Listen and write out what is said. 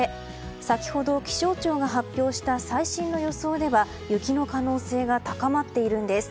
先ほど気象庁が発表した最新の予想では雪の可能性が高まっているんです。